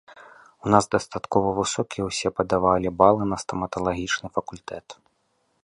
У нас дастаткова высокія ўсе падавалі балы на стаматалагічны факультэт.